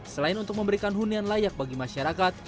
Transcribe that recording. selain untuk memberikan hunian layak bagi masyarakat